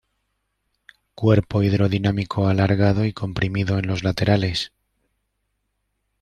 Cuerpo hidrodinámico, alargado y comprimido en los laterales.